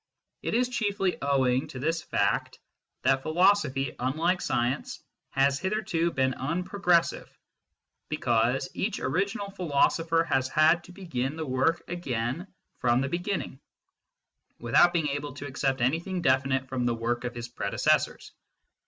It is chiefly owing to this fact that philosophy, unlike science, has hitherto been unprogressive, because each original philosopher has had to begin the work again from the beginning, without being able to accept anything definite from the work of his predecessors.